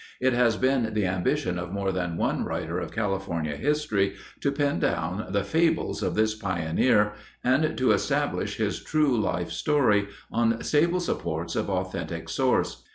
It has been the ambition of more than one writer of California history to pin down the fables of this pioneer and to establish his true life story on stable supports of authentic source.